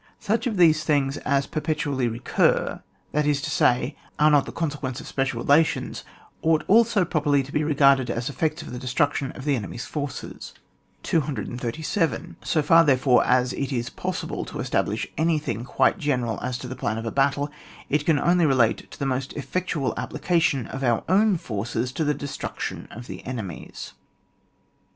Such of these things as per petually recur — that is to say, are not the consequence of special relations — ought also properly to be regarded as effects of the destruction of the enemy's forces. ^ 237. So far, therefore, as it is possible to establish anything quite general as to the plan of a battle, it can only relate to the most effectual application of our own forces to the destruction of the enemy's.